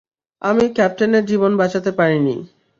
আমি ক্যাপ্টেনের জীবন বাঁচাতে পারিনি।